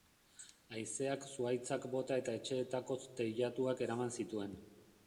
Haizeak zuhaitzak bota eta etxeetako teilatuak eraman zituen.